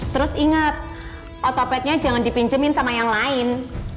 terus inget otopetnya jangan dipinjemin sama yang lain